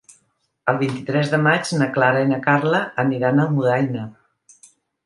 El vint-i-tres de maig na Clara i na Carla aniran a Almudaina.